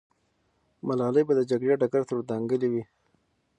ملالۍ به د جګړې ډګر ته ور دانګلې وي.